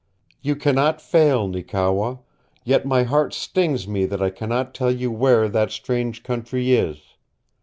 You cannot fail, Neekewa, yet my heart stings me that I cannot tell you where that strange country is.